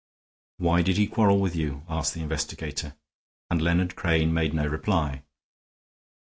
"Why did he quarrel with you?" asked the investigator; and Leonard Crane made no reply.